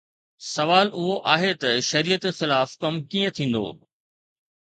سوال اهو آهي ته شريعت خلاف ڪم ڪيئن ٿيندو؟